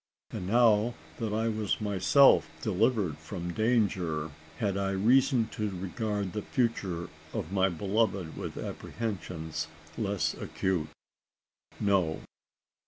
And now that I was myself delivered from danger, had I reason to regard the future of my beloved with apprehensions less acute? No.